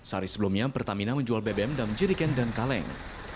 hari sebelumnya pertamina menjual bbm dalam jeriken dan kaleng